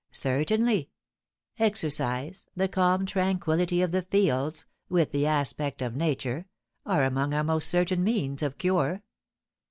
"Certainly; exercise, the calm tranquillity of the fields, with the aspect of nature, are among our most certain means of cure.